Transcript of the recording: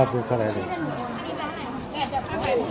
สวัสดีทุกคน